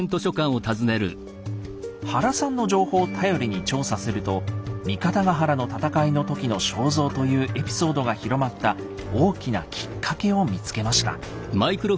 原さんの情報を頼りに調査すると「三方ヶ原の戦いの時の肖像」というエピソードが広まった大きなきっかけを見つけました。